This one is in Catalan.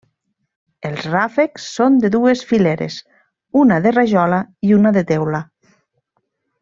Els ràfecs són de dues fileres, una de rajola i una de teula.